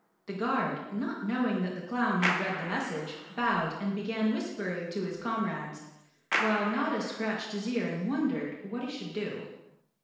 The Guard, not knowing that the clown had read the message, bowed and began whispering to his comrades, while Notta scratched his ear and wondered what he should do.